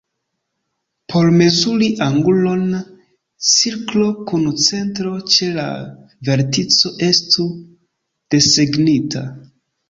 Por mezuri angulon, cirklo kun centro ĉe la vertico estu desegnita.